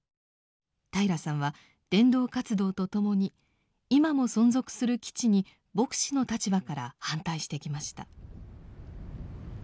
平良さんは伝道活動と共に今も存続する基地に牧師の立場から反対してきました。